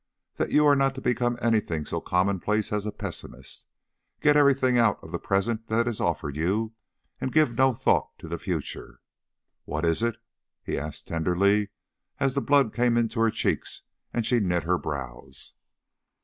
"That you are not to become anything so commonplace as a pessimist. Get everything out of the present that is offered you and give no thought to the future. What is it?" he added tenderly, as the blood came into her cheeks and she knit her brows.